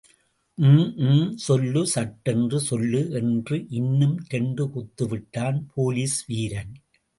ம், ம், சொல்லு, சட்டென்று சொல்லு என்று இன்னும் இரண்டு குத்துவிட்டான் போலீஸ் வீரன்.